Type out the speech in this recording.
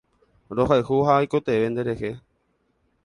Rohayhu ha aikotevẽ nderehe